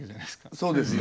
そうですよ。